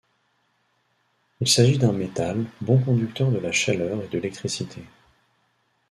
Il s'agit d'un métal, bon conducteur de la chaleur et de l'électricité.